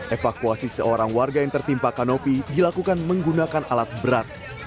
evakuasi seorang warga yang tertimpa kanopi dilakukan menggunakan alat berat